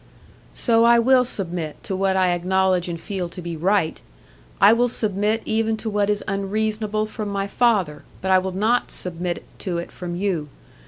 "So I will submit to what I acknowledge and feel to be right. I will submit even to what is unreasonable from my father, but I will not submit to it from you.